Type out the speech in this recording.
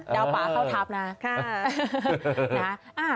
ดาวป่าเข้าทัพนะค่ะนะค่ะ